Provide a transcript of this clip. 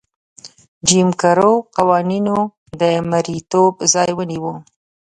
جیم کرو قوانینو د مریتوب ځای ونیو.